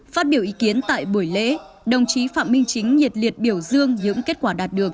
phát biểu ý kiến tại buổi lễ đồng chí phạm minh chính nhiệt liệt biểu dương những kết quả đạt được